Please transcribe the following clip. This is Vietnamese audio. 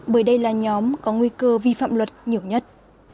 bởi đây là nhóm có nguy cơ vi phạm luật nhiều nhất